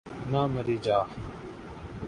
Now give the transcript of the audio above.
نہ مری جاں